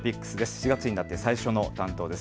４月になって最初の担当です。